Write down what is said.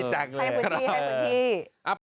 ให้ฝืนพี่